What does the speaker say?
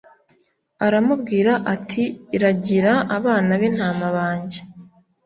Aramubwira ati ragira abana b intama banjye